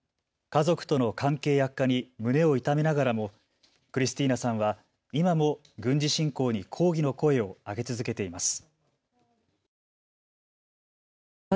家族との関係悪化に胸を痛めながらもクリスティーナさんは今も軍事侵攻に抗議の声を上げ続けています。